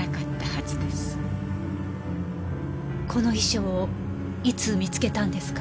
この遺書をいつ見つけたんですか？